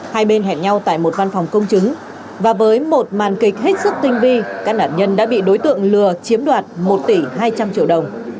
hai bên hẹn nhau tại một văn phòng công chứng và với một màn kịch hết sức tinh vi các nạn nhân đã bị đối tượng lừa chiếm đoạt một tỷ hai trăm linh triệu đồng